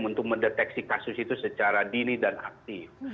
untuk mendeteksi kasus itu secara dini dan aktif